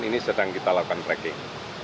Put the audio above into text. ini sedang kita lakukan tracking